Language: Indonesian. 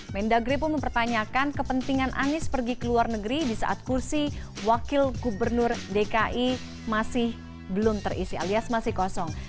mendagri pun mempertanyakan kepentingan anies pergi ke luar negeri di saat kursi wakil gubernur dki masih belum terisi alias masih kosong